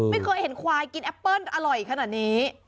ไม่เคยเห็นควายกินแอปเปิ้ลอร่อยขนาดนี้